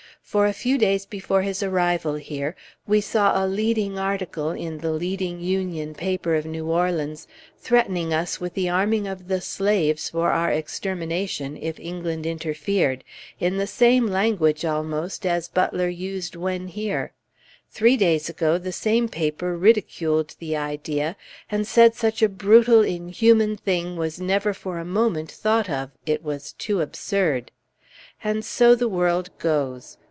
For a few days before his arrival here, we saw a leading article in the leading Union paper of New Orleans, threatening us with the arming of the slaves for our extermination if England interfered, in the same language almost as Butler used when here; three days ago the same paper ridiculed the idea, and said such a brutal, inhuman thing was never for a moment thought of, it was too absurd. And so the world goes!